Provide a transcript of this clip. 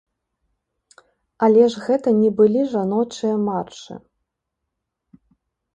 Але ж гэта не былі жаночыя маршы!